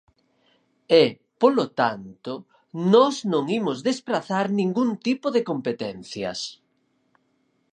E, polo tanto, nós non imos desprazar ningún tipo de competencias.